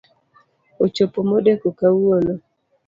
Ochopo modeko kawuono